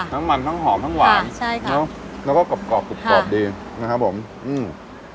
ทั้งมันทั้งหอมทั้งหวานใช่ค่ะเนอะแล้วก็กรอบกรอบกรุบกรอบดีนะครับผมอืม